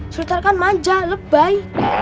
sultan kan manja lebay